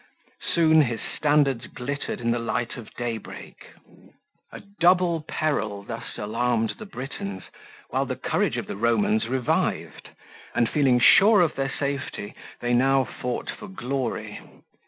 Soon his standards glittered in the light of daybreak. A double peril thus alarmed the Britons, while the courage of the Romans revived; and feeling sure of their safety, they now fought for glory.